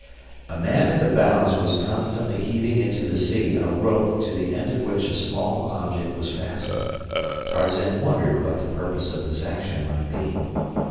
A man at the bows was constantly heaving into the sea a rope to the end of which a small object was fastened. Tarzan wondered what the purpose of this action might be.